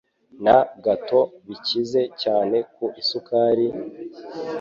na gato bikize cyane ku isukari,